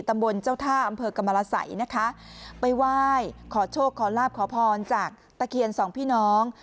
ตำบลเจ้าท่าอำเภอกรรมรสัยนะคะไปไหว้ขอโชคขอลาบขอพรจากตะเคียนสองพี่น้อง